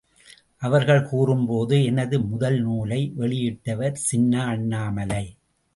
அவர்கள் கூறும்போது, எனது முதல் நூலை வெளியிட்டவர் சின்ன அண்ணாமலை.